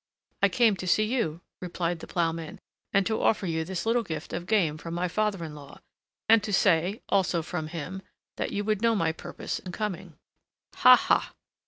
"I came to see you," replied the ploughman, "and to offer you this little gift of game from my father in law, and to say, also from him, that you would know my purpose in coming." "Ha! ha!"